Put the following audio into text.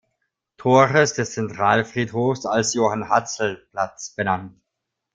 Tores des Zentralfriedhofs als "Johann-Hatzl-Platz" benannt.